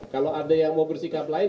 kalau ada yang mau bersikap lain